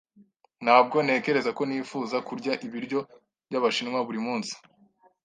Ntabwo ntekereza ko nifuza kurya ibiryo by'Abashinwa buri munsi.